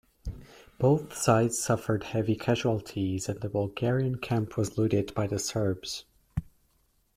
Both sides suffered heavy casualties and the Bulgarian camp was looted by the Serbs.